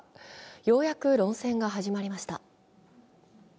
ようやく論戦が始まりました。